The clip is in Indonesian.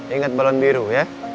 ingat balon biru ya